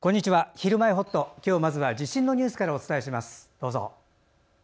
「ひるまえほっと」今日はまずは地震のニュースからお伝えします。